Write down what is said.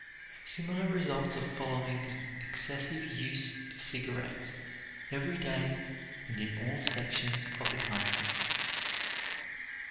Similar results are following the excessive use of cigarettes, every day and in all sections of the country.